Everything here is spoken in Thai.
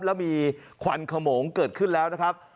แล้วมีควันขโมงเกิดขึ้นแล้วนะครับ